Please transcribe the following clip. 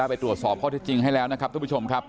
ราวไปตรวจสอบเจ้าความจริงที่เจ้าครับ